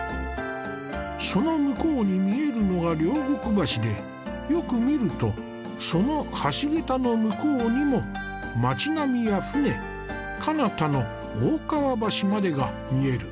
その向こうに見えるのが両国橋でよく見るとその橋桁の向こうにも町並みや舟かなたの大川橋までが見える。